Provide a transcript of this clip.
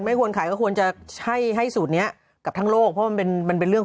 ก่อนควรชายก็ควรจะให้ให้สูทนี้กับทั้งโลกมันเป็นเรื่อง